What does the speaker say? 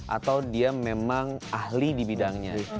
atau dia memang ahli di bidangnya